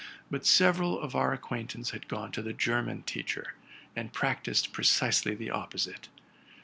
But several of our acquaintance had gone to RELATING TO MY LIFE. rat the German teacher, and practised precisely the opposite.